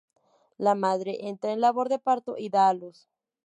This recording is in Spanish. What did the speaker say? La madre entra en labor de parto y da a luz.